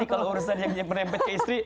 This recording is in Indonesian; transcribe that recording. kalau urusan yang merepet ke istri